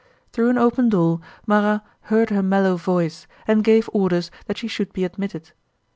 Through an open door Marat heard her mellow voice and gave orders that she should be admitted.